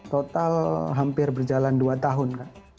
total hampir berjalan dua tahun kan